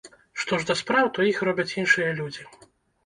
Што ж да спраў, то іх робяць іншыя людзі.